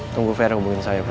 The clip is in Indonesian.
tunggu fera hubungi saya pak